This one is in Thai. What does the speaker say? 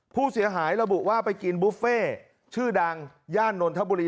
ผู้เสียหายระบุว่าไปกินบุฟเฟ่ชื่อดังย่านนทบุรี